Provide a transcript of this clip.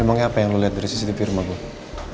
emangnya apa yang lo lihat dari cctv rumah gue